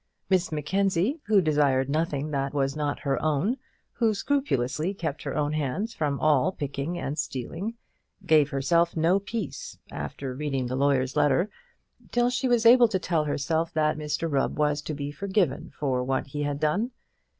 Miss Mackenzie, who desired nothing that was not her own, who scrupulously kept her own hands from all picking and stealing, gave herself no peace, after reading the lawyer's letter, till she was able to tell herself that Mr Rubb was to be forgiven for what he had done.